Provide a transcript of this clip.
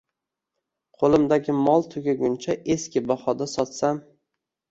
Qo'limdagi mol tugaguncha eski bahoda sotsam